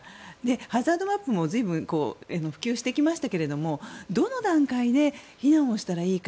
ハザードマップも随分普及してきましたけれどもどの段階で避難したらいいか。